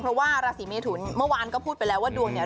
เพราะว่าราศีเมทุนเมื่อวานก็พูดไปแล้วว่าดวงเนี่ย